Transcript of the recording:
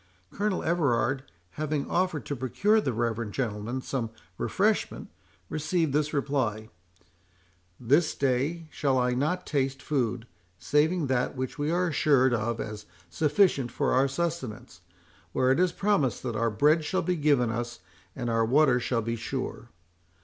Colonel Everard having offered to procure the reverend gentleman some refreshment, received this reply:—"This day shall I not taste food, saving that which we are assured of as sufficient for our sustenance, where it is promised that our bread shall be given us, and our water shall be sure.